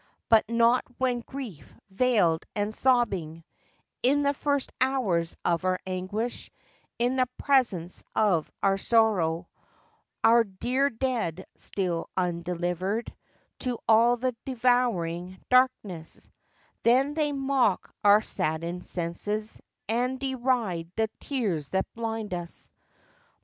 But not when grief veiled and sobbing, In the first hours of our anguish— In the presence of our sorrow— Our dear dead still undelivered To the all devouring darkness;— Then, they mock our saddened senses And deride the tears that blind us.